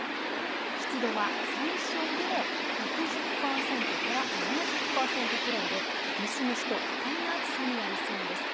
湿度は最小でも６０％から７０％くらいで蒸し蒸しと不快な暑さになりそうです。